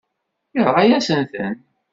Yenɣa-yasen-ten.